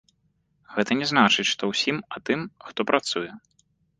Гэта не значыць, што ўсім, а тым, хто працуе.